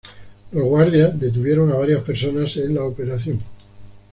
Los guardias detuvieron a varias personas en la operación.